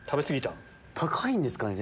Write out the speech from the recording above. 高いんですかね